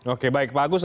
oke baik bagus